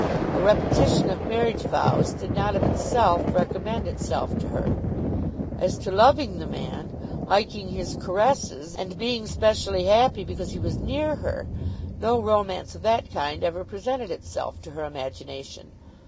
A repetition of marriage vows did not of itself recommend itself to her. As to loving the man, liking his caresses, and being specially happy because he was near her, no romance of that kind ever presented itself to her imagination.